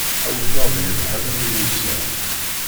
Ḥawteɣ deg-m ḥala mi uyseɣ.